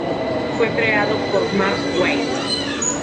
Fue creado por Mark Waid.